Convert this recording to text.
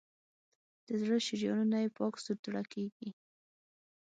د زړه شریانونه یې پاک سوتړه کېږي.